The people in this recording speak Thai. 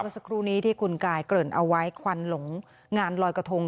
สักครู่นี้ที่คุณกายเกริ่นเอาไว้ควันหลงงานลอยกระทง